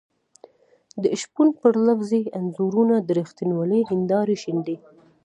د شپون پر لفظي انځورونو د رښتینولۍ هېندارې شيندي.